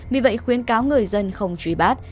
vì vậy khuyến cáo người dân không trúy bắt